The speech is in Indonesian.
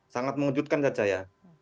sangat mengejutkan caca ya